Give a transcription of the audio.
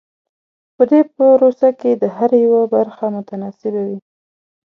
په دې پروسه کې د هر یوه برخه متناسبه وي.